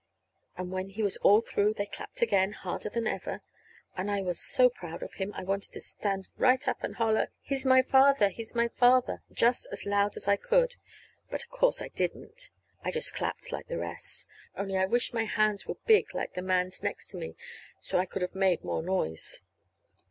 And when he was all through they clapped again, harder than ever. And I was so proud of him I wanted to stand right up and holler, "He's my father! He's my father!" just as loud as I could. But, of course, I didn't. I just clapped like the rest; only I wished my hands were big like the man's next to me, so I could have made more noise.